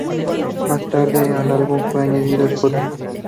Más tarde el álbum fue añadido a "Spotify".